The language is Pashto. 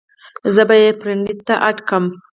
زۀ به ئې فرېنډ لسټ ته اېډ کړم -